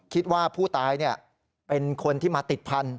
คิดว่าผู้ตายเป็นคนที่มาติดพันธุ